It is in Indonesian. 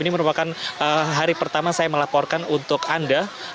ini merupakan hari pertama saya melaporkan untuk anda